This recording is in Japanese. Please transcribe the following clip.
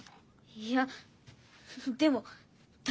いやでもだ